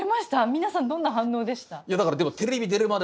皆さんどんな反応でした？